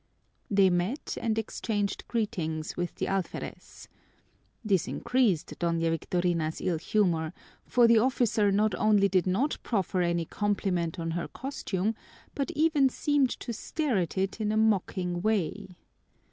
They met and exchanged greetings with the alferez. This increased Doña Victorina's ill humor, for the officer not only did not proffer any compliment on her costume, but even seemed to stare at it in a mocking way.